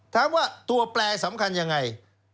ถามว่าตัวแปลสำคัญยังไง